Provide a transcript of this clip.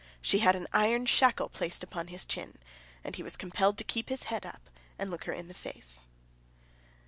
She had an iron shackle placed upon his chin, and he was compelled to keep his head up and look her in the face."